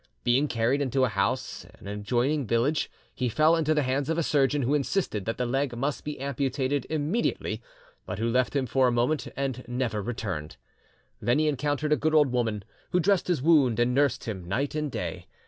Being carried into a house a an adjoining village, he fell into the hands of a surgeon, who insisted that the leg must be amputated immediately, but who left him for a moment, and never returned. Then he encountered a good old woman, who dressed his wound and nursed him night and day.